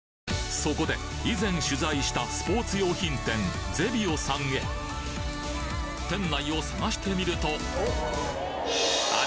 そこで以前取材したスポーツ用品店ゼビオさんへ店内を探してみるとあれ！？